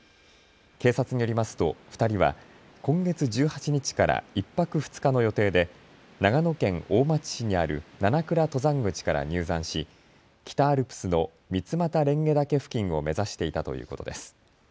警察によりますと２人は今月１８日から１泊２日の予定で長野県大町市にある七倉登山口から入山し北アルプスの三俣蓮華岳付近を目指していたということです。